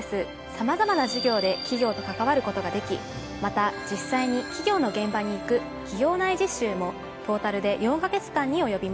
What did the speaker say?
さまざまな授業で企業と関わることができまた実際に企業の現場に行く「企業内実習」もトータルで４か月間に及びます。